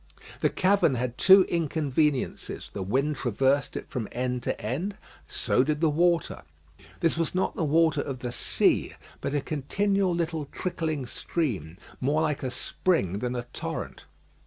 The cavern had two inconveniences; the wind traversed it from end to end; so did the water. This was not the water of the sea, but a continual little trickling stream, more like a spring than a torrent.